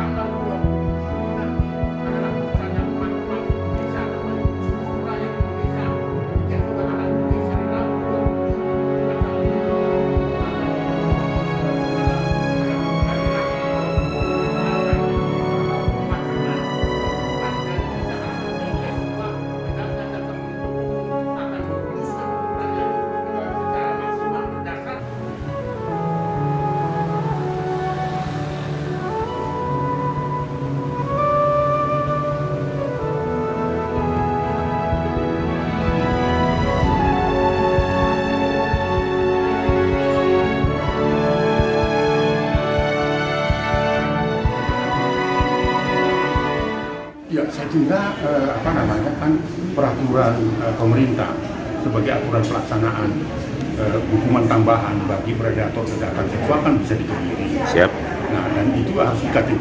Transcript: kisah kisah yang terjadi di indonesia